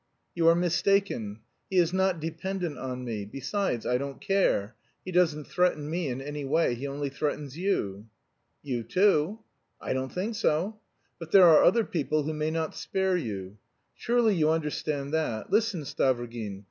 "You are mistaken. He is not dependent on me. Besides, I don't care; he doesn't threaten me in any way; he only threatens you." "You too." "I don't think so." "But there are other people who may not spare you. Surely you understand that? Listen, Stavrogin.